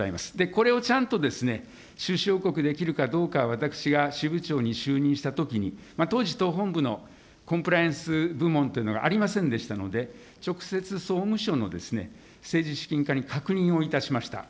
これをちゃんと収支報告できるかどうかは、私が支部長に就任したときに、当時、党本部のコンプライアンス部門というのがありませんでしたので、直接、総務省の政治資金課に確認をいたしました。